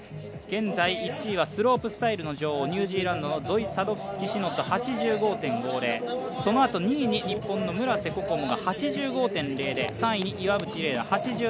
現在１位はスロープスタイルの女王ニュージーランドのゾイ・サドフスキ・シノット、８５．５０、そのあと２位に日本の村瀬心椛が８５．００３位に岩渕麗